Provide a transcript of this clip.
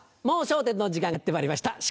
『もう笑点』の時間がやってまいりました。